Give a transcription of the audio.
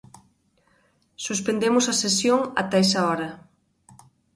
Suspendemos a sesión ata esa hora.